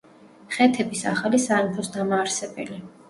ხეთების ახალი სამეფოს დამაარსებელი.